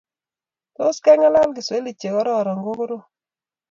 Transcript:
Tos kengalal kiswahili che kororon kokorom